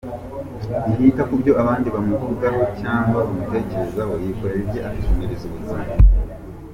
Ntiyita ku byo abandi bamuvugaho cyangwa bamutekerezaho, yikorera ibye akikomereza ubuzima.